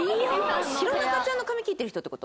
弘中ちゃんの髪切ってる人って事？